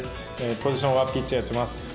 ポジションはピッチャーやってます。